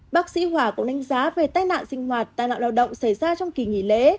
bác sĩ hòa cũng đánh giá về tai nạn sinh hoạt tai nạn lao động xảy ra trong kỳ nghỉ lễ